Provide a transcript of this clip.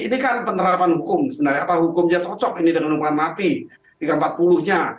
ini kan penerapan hukum sebenarnya apa hukumnya cocok ini dan hukuman mati tiga ratus empat puluh nya